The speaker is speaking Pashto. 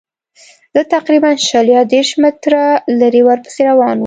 زه تقریباً شل یا دېرش متره لرې ورپسې روان وم.